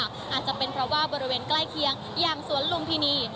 อาจจะเป็นเพราะว่าบริเวณใกล้เคียงอย่างสวนลุมพินี